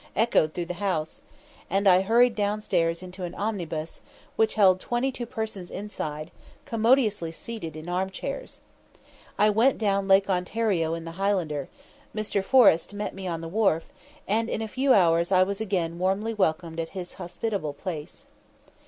echoed through the house, and I hurried down stairs into an omnibus, which held twenty two persons inside, commodiously seated in arm chairs. I went down Lake Ontario in the Highlander; Mr. Forrest met me on the wharf, and in a few hours I was again warmly welcomed at his hospitable house.